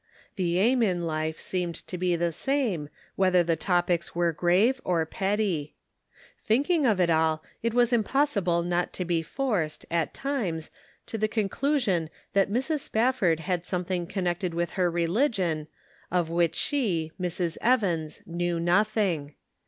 The aim in life seemed to be the same, whether the topics were grave or petty. Thinking of it all, it was impossible not to be forced, at times, to the conclusion that Mrs. Spafford had something connected with her religion, of which she, Mrs. Evans, knew nothing.